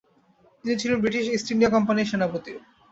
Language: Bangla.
তিনি ছিলেন ব্রিটিশ ইস্ট ইন্ডিয়া কোম্পানির সেনাপতি।